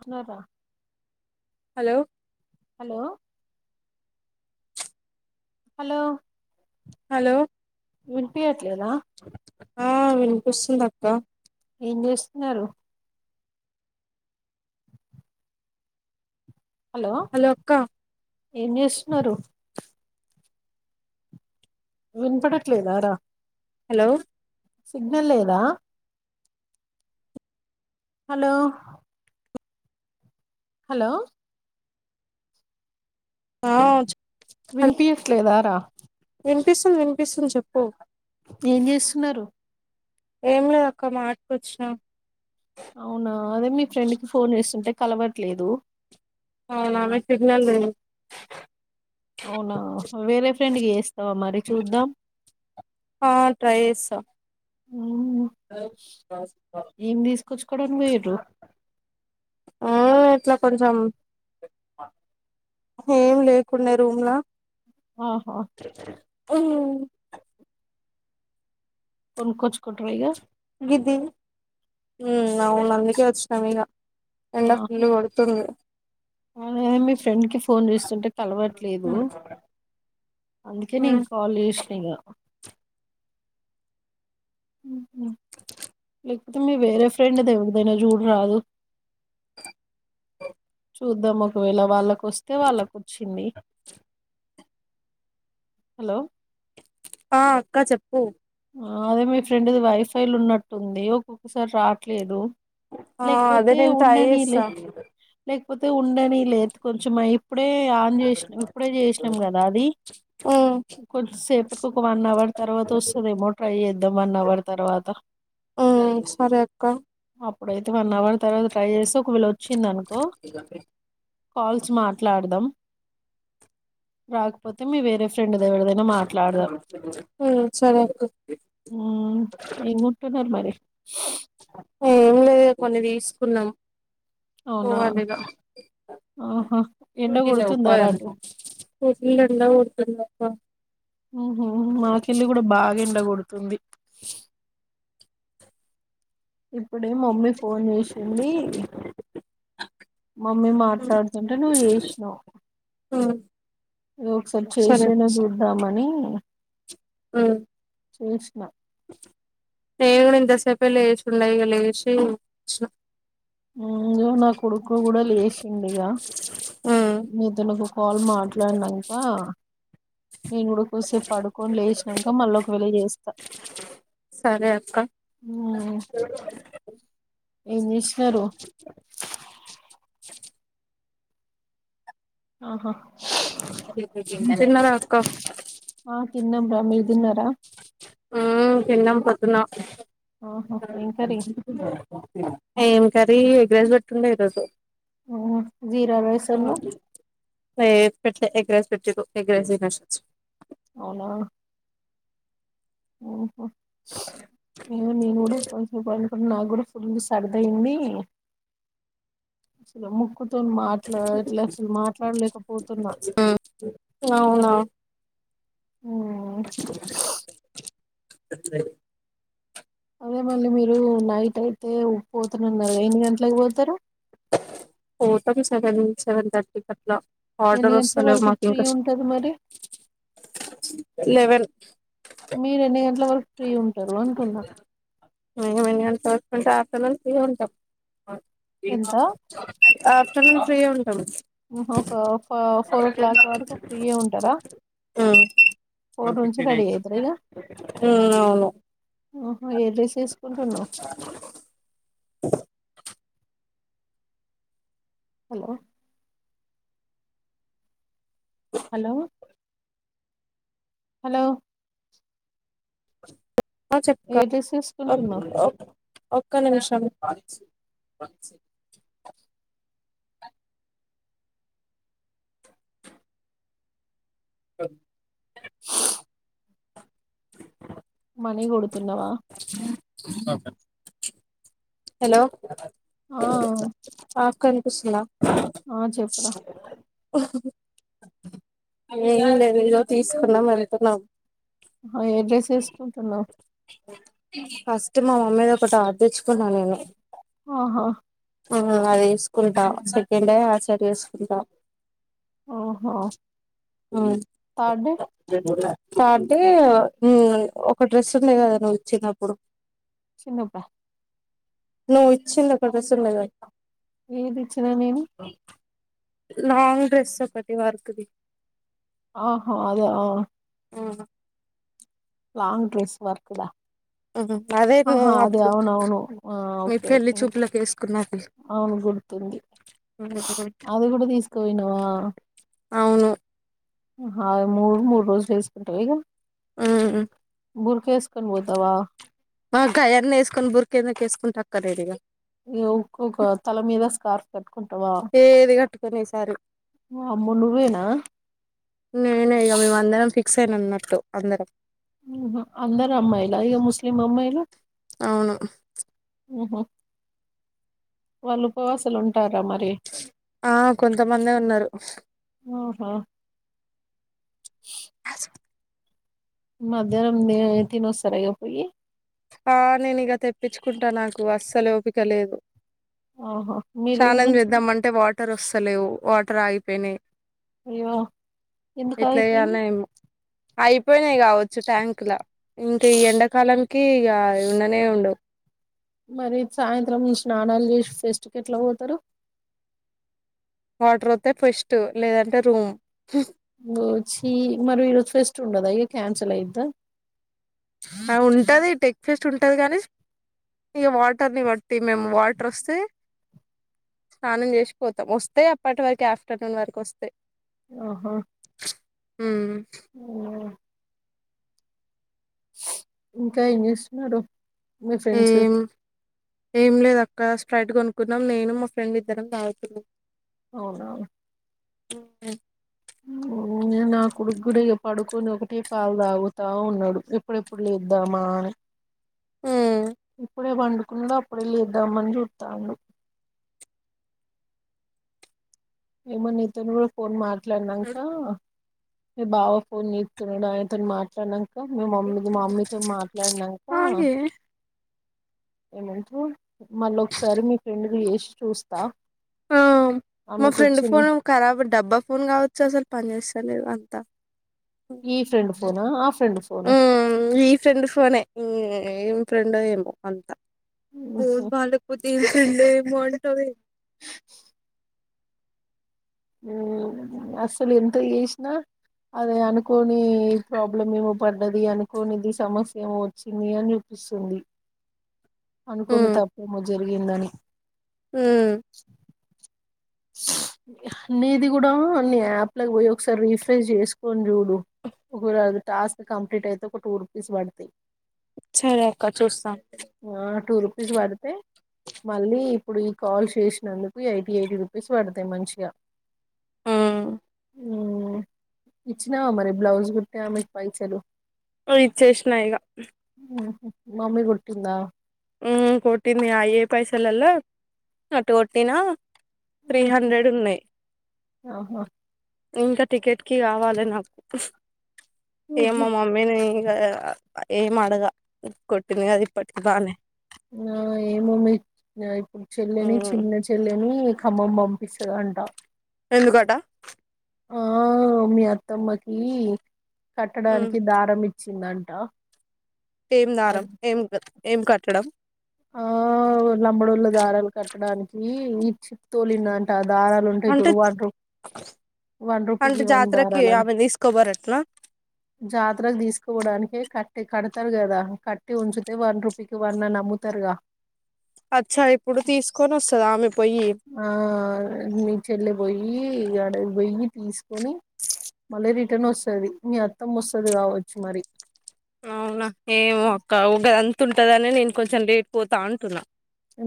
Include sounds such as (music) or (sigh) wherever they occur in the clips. అార hello hello hello hello వినిపియ్యట్లేదా ఆ వినిపిస్తుంది అక్క ఏం చేస్తున్నారు హలో హలోక్క ఏం చేస్తున్నారు విన్పడట్లేదా రాా హలో సిగ్నల్ లేదా హలో హలో అ చ్ విన్పియట్లేదారా సుంది చెప్పు ఏం చేస్తున్నారు ఏం లేదు అక్క మాట్ కొచ్చినా అవునా అదే మీ ఫ్రెండ్ కి ఫోన్ చేస్తుంటే కలవట్లేదు అవునా నిక్ సిగ్నల్ లేదు అవునా వేరే ఫ్రెండ్కి చెస్తావా మరి చూద్దాం ఆ ట్రై చేస్తా ఉమ్, ఏం తీసుకొచ్చుకోవడానికి పోయిర్రు ఆ ఆట్లా కొంచెం ఏం లేకుండే రూమ్లా ఆహా ఉహు కొనుకోచ్చుకుంట్ర ఇగ హుమ్ అవును అందుకే వచ్చినం ఇగ ఎండ ఆహా ఫుల్ కొడుతుంది అ మీ ఫ్రెండ్కి ఫోన్ చేస్తుంటే కలవట్లేదు అందుకే ఉమ్ నీక్ కాల్ చేసిన ఇగ లేకపోతే మీ వేరే ఫ్రెండ్ ది ఎవరిదైనా చూడరాదు చ్ చూద్దాం ఒకవేళ వాళ్ళకు వస్తే వాళ్ళకు వచ్చింది హలో ఆ అక్క చెప్పు అదే మీ ఫ్రెండ్ది వైఫై లో ఉన్నట్టుంది ఒక్కొక్కసారి రాట్లేదు ఆ అదే నేను ట్రై చేస్త లేకపోతే ఉండని లే కొంచెం ఆయి ఇప్పుడే ఆన్ చేసినం ఇప్పుడే చేసినాం కదా అది ఉమ్ కొంచెంసేపటికి ఒక వన్ అవర్ తర్వాత వస్ దేమో ట్రై చేద్దాం వన్ అవర్ తర్వాత ఉమ్ సరే అక్క అప్పుడు అయితే వన్ అవర్ తర్వాత ట్రై చేస్తే ఒకవేళ వచ్చింది అనుకో కాల్స్ మాట్లాడదాం రాకపోతే మీ వేరే ఫ్ ఫ్రెండ్ ది ఎవరిదైనా మాట్లాడదాం ఉమ్ సరే అక్క హ్మ్ ఏం కొంటున్నారు మరి ఏం లేదు కొన్ని తీసుకున్నాం అవునా పోవాలీగ ఆహా! ఎండ ర కొడుతుందారా పోవాలి అటు? ఎండ ఫుల్ కొడుతుంది స ఉహ మాకెళ్ళి కూడా బాగా ఎండగొడుతుంది ఇప్పుడే మబ్బు ఫోన్ చేసింది మమ్మీ మాట్లాడుతుంటే నువ్వు చేసినావు ఉమ్ నువ్ ఒకసారి చేసాను చూద్దామని ఆ చేసిన. చెప్పే లేసి ఉన్నా ఇక లేసి ఉ నా కొడుకు కూడా లేశిండు ఇగ నీతోనీ ఒక కాల్ మాట్లాడినాక నేను కూడా కోసేపు పడుకొని లేసినాక మళ్ళీ ఒక వెళ్ళ చేస్తా సరే అక్క ఏం చే ఎవరు స ఆహో చిన్నార అక్క అమ్ మీదిన్నార ఉ చిన్న పతున్నా ఆహా! ఏం కర్రీ? ఏం క ఎగ్రస్ బ ండ ఇదు ఉ జీరా రైస్ ను క పెట్లే ఎగ్రస్ పెట్టిరూ ఎగ్రస్ ఇనాసి (unintelligible) అవునా ఓహో ఏ నను కూడా (unintelligible) ఇప్పుడు నాకు కూడా ఫుల్ సరదయింది అసలు ముక్కు తోన్ మాట్లా ఇట్లా అసలు మాట్లాడలేకపోతున్నా అవునా ఉ స అదే మళ్ళీ మీరు నైట్ అయితే పోతున్నాన్నారు ఎన్ని గంటలకి పోతారు పోతం సెవెన్ సెవెన్ థర్టీ అట్ ఎన్ని గంట్ల వరకు ఫ్రీ ఉంటరూ మరి లెవెన్ మీరుెన్ని గంటల వరకు ఫ్రీ ఉంటారు అనుకున్నా మినిమం ఎన్ని గంటలకు ఉంటా ఆఫ్టర్న ఫ్రీగా ఉంటాం. ఎంత ఆఫ్టర్నూన్ ఫ్రీ ఉన్ ఒక ఫ ఫోర్ ఓ క్లాక్ వరకు ఫ్రీయే ఉంటారా ఉమ్ ఫోర్ నుంచి రెడీ అయితరా ఇగా. ఉమ్ అవును ఆహో ఏ డ్రెస్ ఏసుకుంటున్నవ్. హలో హలో హలో ఆ చెప్ప ఏ డ్రెస్ క వేసుకుంటున్నావు ఒక్క నిమిషం (inaudible) మనీ కొడు తన్నావా హలో ఆ ఆ క వినీపిస్తుదా ఆ చెప్పర ఓహహ్ ఏం లేదు ఏదో తీసుకున్నాం వెళుతున్నాం. ఏడ్రెస్ వేసుకుంటున్నావ్? ఫస్ట్ మా మమ్మీది ఒక టాప్ తెచ్చుకున్నా నేను ఆహా ఆ అది వేసుకుంటా సెకండ్ డే ఆ సెట్ ఏసుకుంటా. ఆహ అ (unintelligible) అంటే ఊ ఒక డ్రెస్ ఉంది కదా నువ్వు చిన్నప్పుడు చిన్నప్ప నువ్వు ఇచ్చింద క డ్రెస్ ఉంది కదాప్ప ఏది ఇచ్చినా నేను లాంగ్ డ్రెస్ ఒకటి వర్క్ ది ఆహా అదే ఆ ఉ లాంగ్ డ్రెస్ వర్క్ దా ఉమ్ అదే నువ్వు ఆహా అది అప్పుడు అవునవును ఆ మీ ఓకే పెళ్లి ఓకే చూపులకు వేసుకున్నది అవును గుర్తుంది ఉమ్ షు అది కూడా తీసుకోయినావా. అవును అ మూడు మూడు రోజులు వేసుకుంటారు ఇక. బురక వేసుకొని పోతావా ఆ ఆకాయన్న వేసుకొని బుర్కక వేసుకు టక్కరేదిగా ఇక ఒక్కొక్క తల మీద స్కార్ఫ్ కట్టుకుంటావా ఏది కట్టుకుని సారి అమ్మో నువ్వేనా నేనె ఇగ పొ అందరం పి సేన్ అన్నట్టు అందరం అందర అమ్మాయిలా ఇక ముస్లిం అమ్మాయిలు అవును ఉహ వాళ్ళు ఉపవాసలు ఉంటారు. ఆ కొంతమందే ఉన్నారు. ఆ స్ మధ్యాహ్నం నే తినోస్తాను ఇగా పోయి ఆ నేను ఇక తెప్పించుకుంటా నాకు అస్సలు ఓపిక లేదు. ఆహా మీ రూమ్ స్నానం నుంచి చేద్దాం అంటే వాటర్ వస్తలేవు వా రాగిపోయినాయి. అయ్యో ఎందుకు ఆగిపోయిన్నాయి. ఆయి పోయినాయి కావచ్చు ట్యాంక్ లా ఇంకా ఈ ఎండకాలనికి ఇగా ఉండనే ఉ లో మరి సాయంత్రం ఈ స్నానాల్ చేసి ఫెస్ట్కెట్ల పోతరు? వాటర్ ఒత్తే ఫెస్ట్ లేదంటె రూమ్. ఓ చ్చి మరి ఇగ ఫెస్ట్ ఉండదా ఇగ క్యాన్సల్ అయిద్దా? ఆ ఉంటది టెక్ ఫెస్ట్ ఉంటది కానీ, ఇగ వాటర్ని బట్టి మేము వాటరొస్తే స్నానం చేసి పోతాం. వస్తే అప్పటి వరకు ఆఫ్టర్నూన్ వరకు వస్తే ఓహో మ్మ్ ఓ ఇంకా ఏంచేస్తున్నారు? మీ ఫ్రెండ్స్ ఏం ఏం లేద్ అక్క స్ట్రైట్ కొనుకున్నాం నేను మా ఫ్రెండ్ ఇద్దరం తాగుతున్నామ్. అవునా అ (inaudible) ఊనె నా కొడుగ్గుడా ఇగ పడుకొని ఒకటే పాలు తాగుతా ఉన్నాడు ఎప్పుడెప్పుడు లేద్దామా అని. ఉమ్ ఇప్పుడే పండుకున్నడు అప్పుడే లేద్దామని చూత్తాండు. ఏమో నీతోను గూడ ఫోన్ మా ట్లానంకా మీ బావ ఫోన్ చేత్తున్నడు ఆయనతోని మాట్లాడ్నన్ కా మి మమ్మీదొ మా అమ్మీతో మాట్లాడ్ నంకా ఆగే ఏమన్టరు మళ్ళ ఒకసారి మీ ఫ్రెండ్ కు చేసి చూస్తా ఆ మా ఆమెకు ఫ్రెండ్ వచ్చింది ఫోన్ కరాబ్ డబ్బా ఫోన్ కావచ్చు అస్సల్ పని చేస్తలేదు అన్ త్త ఈ ఫ్రెండ్ ఫోనా ఆ ఫ్రెండ్ ఫోనా ఊ ఈ ఫ్రెండ్ ఫోనె మ్మ్ ఏం ఫ్రెండో ఏమో అంతా ఫోన్ బాలేకపోతే ఏమ్ ఫ్రెండో ఏమో అని టవె మ్మ్ అసలు ఎంత చేసినా అది అనుకోని ప్రాబ్లం ఏమో పడ్డది అనుకోనిది సమస్య ఏమో వచ్చింది అని చూపిస్తుంది. అనుకోని ఉమ్ తప్పేమో జరిగిందని. ఉమ్ నీది కూడా అన్ని అప్లైచేయి ఒకసారి రీఫ్రెష్ చేసుకొని చూడు ఒకవె అది టాస్క్ కంప్లీట్ అయితే ఒక టూ రూపీస్ పడతయి. సరే అక్క చూస్తా ఆ టూ రూపీస్ పడితే మళ్ళీ ఇప్పుడు ఈ కాల్ చేసినందుకు ఎయిటీ ఎయిటీ రూపీస్ పడతాయి మంచిగా ఉమ్ ఇచ్చినావా మరి బ్లౌజ్ కుట్టే ఆమెకి పైసలు? ఉ ఇచ్చేసినా ఇగ ఉహు. మమ్మీ కొట్టిందా? ఊ కొట్టిందిగ ఆయే పైసల్లలో అటు కొట్టినా త్రీ ఉహు. హండ్రెడ్ ఉన్నయ్. ఆహా ఇంకా టికెట్ కి రావాలె నాకు ఏమ్ ఉహు. మ మమ్మీనై ఇంగ ఏం అడగా కొట్టిందిగద ఇప్పటికి బానె ఆ ఏమో మీ ఇప్పుడు చెల్లెని మ్మ్ చిన్న చెల్లెని కమ్మం బంపిస్థాదంట ఎందుకట ఆ మీ అత్తమ్మకి మ్మ్ కట్టడానికి దారం ఇ చ్చిందంట ఏం దారం ఏం ఏం కట్టడం ఆ లంబడోళ్ళ దారాలు కట్టడానికి ఈ చిప్ తోలిన్న అంట దారాలు ఉంటాయి అంటే చూడు వన్ రూ వన్ అంటే రూపీకి వన్ జాతరకి దారాలని ఆమె తీసుకోబోరటనా జాతరలు తీసుకోవడానికే క ట్టి కడతారు కదా కట్టి ఉంచితే వన్ రుపీకి వన్ నమ్ము త్తరగా అచ్చా ఇప్పుడు తీసుకొని వస్తదా ఆమెప్పు ఆ మీ చెల్లె పోయి అడ వెయ్యి తీసుకొని మళ్ళీ రిటర్న్ వస్తది మీ అత్తమ్మ వస్తది కావచ్చు మరి అవునా ఏమో అక్క ఊ గదాం తుంటదని నేను కొంచెం లేట్పోతా అంటున్నా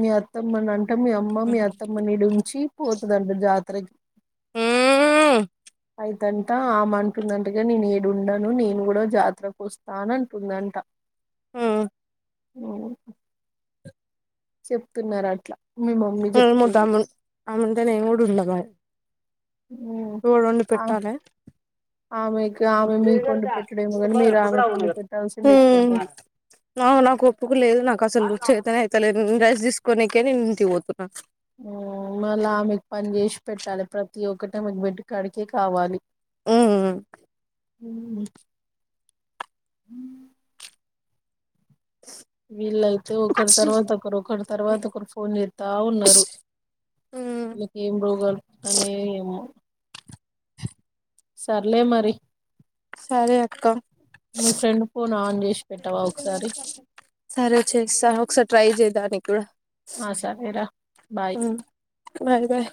మీ అత్తమ్మని అంట మీ అమ్మ మీ మ్మ్ అత్తమ్మనిడించి పోతదంట జాత తర్ ఉం దంట ఆమ అంటుందంటగా నేను ఇడ ఉండను నేను కూడా జాతరకు వస్తా అంటుందంట మ్మ్ ఉం చెప్తున్నారు అట్లా మీ మమ్మీ చెప్తుంది అమ్ను ఉంటే నేను గూడ ఉండ బాయ్ ఎవోడండి ఆ పెట్టాలే ఆమెకి ఆమె మీకు వండి పెట్టడేమో కాని మీరు ఆమెకు వండి పెట్టాల్సింది ఎక్కువ ఉం ఉంటది నాకు ఒప్పుకోలేదు నాకు అసలు చెతన్ అయితలేద్ నైన్ రెస్ తీసుకొనికే నేన్ ఇంటికి పోతు అ ఉం మళ్ళా ఆమెకు పని చేసి పెట్టాలి ప్రతి ఒక్కటి ఆమె కు బెడ్ కాడికె కావాలి ఉం ఉ అ వీళ్ళయితే ఒకరి తర్వాత ఒకరు ఒకరి తర్వాత ఒకరు ఫోన్ చేత్తా ఉన్నారు ఉమ్ వీళ్ళకి ఏం రోగాలు పుడుతానయో ఏమో సర్లే మరి సరే అక్క మీ ఫ్రెండ్ ఫోన్ ఆన్ చేసి పెట్టవా ఒకసారి సరే చేస్తా ఒకసారి ట్రై చేదానికి కూడా ఆ సరేరా బాయ్ బాయ్ బాయ్